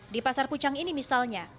di pasar pucang ini misalnya